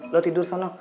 lu tidur di sana